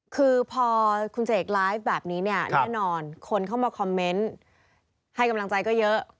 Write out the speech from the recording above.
คือพอคุณเสกไลฟ์แบบนี้เนี่ยแน่นอนคนเข้ามาคอมเมนต์ให้กำลังใจก็เยอะ